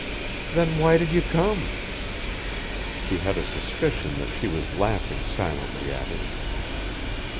"Then why did you come?" He had a suspicion that she was laughing silently at him.